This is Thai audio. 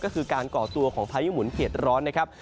ก็คือการก่อตัวของพายุหมุนเข็ดร้อนนะครับ